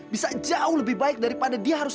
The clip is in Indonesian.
bisa jauh lebih baik daripada dia harus